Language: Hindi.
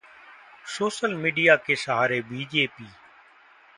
सोशल मीडिया के सहारे बीजेपी